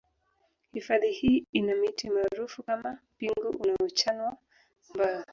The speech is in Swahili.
Hifadhi hii ina miti maarufu kama mpingo unaochanwa mbao